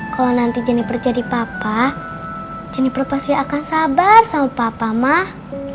kalau nanti jennifer jadi papa jennifer pasti akan sabar sama papa mah